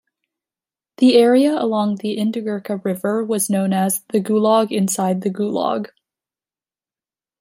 The area along the Indigirka river was known as "the Gulag inside the Gulag".